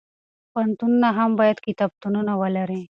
پوهنتونونه هم باید کتابتونونه ولري.